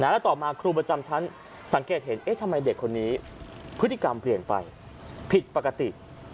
แล้วต่อมาครูประจำชั้นสังเกตเห็นเอ๊ะทำไมเด็กคนนี้พฤติกรรมเปลี่ยนไปผิดปกติ